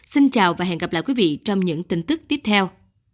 xin chào và hẹn gặp lại quý vị trong những tin tức tiếp theo